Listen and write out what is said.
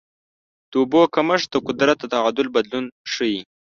د اوبو کمښت د قدرت د تعادل بدلون ښيي.